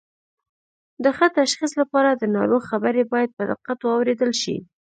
د ښه تشخیص لپاره د ناروغ خبرې باید په دقت واوریدل شي